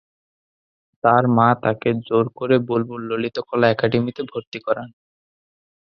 তার মা তাকে জোর করে বুলবুল ললিতকলা একাডেমিতে ভর্তি করান।